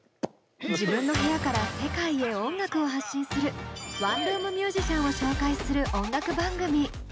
自分の部屋から世界へ音楽を発信するワンルームミュージシャンを紹介する音楽番組。